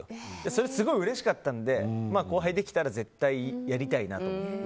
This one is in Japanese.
それ、すごくうれしかったので後輩ができたら絶対やりたいなと。